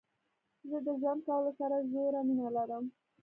زه د ژوند کولو سره ژوره مينه لرم.